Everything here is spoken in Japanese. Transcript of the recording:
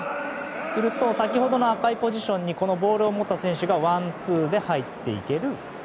すると先ほどの赤いポジションにボールを持った選手がワンツーで入っていける。